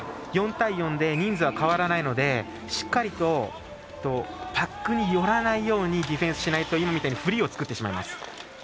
４対４で人数は変わらないのでしっかりとパックに寄らないようにディフェンスしないと今みたいにフリーを作ってしまいます。